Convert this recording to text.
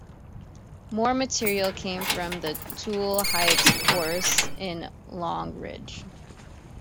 More material came from the Tootle Heights quarries in Longridge.